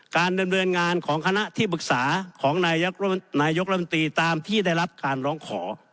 การดำเนินงานของคณะที่ปรึกษาของนายกรรมตรีตามที่ได้รับการร้องขอ